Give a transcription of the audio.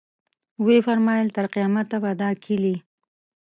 ویې فرمایل تر قیامته به دا کیلي.